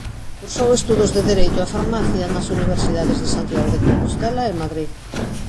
Cursou estudos de Dereito e Farmacia nas universidades de Santiago de Compostela e Madrid.